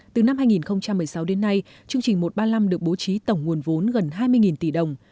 từ năm hai nghìn một mươi sáu đến nay chương trình một trăm ba mươi năm được bố trí tổng nguồn vốn gần hai mươi tỷ đồng